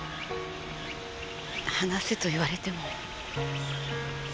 話せと言われても。